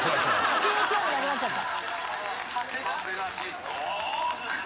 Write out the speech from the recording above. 「急に興味なくなっちゃった」